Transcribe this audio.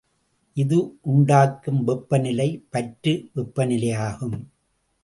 இது உண்டாக்கும் வெப்பநிலை பற்று வெப்பநிலையாகும்.